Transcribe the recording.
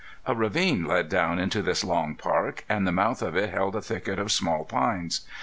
A ravine led down into this long park and the mouth of it held a thicket of small pines.